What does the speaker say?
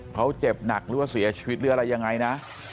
เขาเจ็บหนักหรือว่าเสียชีวิตหรืออะไรยังไงนะ